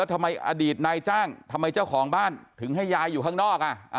ทำไมอดีตนายจ้างทำไมเจ้าของบ้านถึงให้ยายอยู่ข้างนอก